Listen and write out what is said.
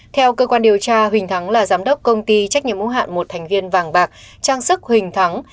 theo cơ quan điều tra huỳnh thắng là giám đốc công ty trách nhiệm ủng hạn một thành viên vàng bạc trang sức huỳnh thắng